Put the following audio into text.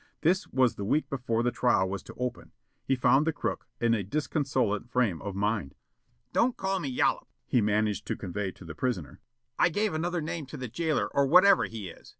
This was the week before the trial was to open. He found the crook in a disconsolate frame of mind. "Don't call me Yollop," he managed to convey to the prisoner. "I gave another name to the jailer or whatever he is.